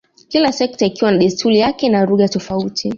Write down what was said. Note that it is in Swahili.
kila sekta ikiwa na desturi yake na lugha tofauti